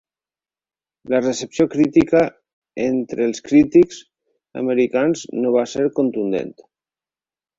La recepció crítica entre els crítics americans no va ser contundent.